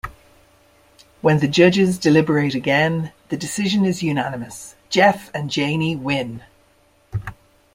When the judges deliberate again, the decision is unanimous: Jeff and Janey win!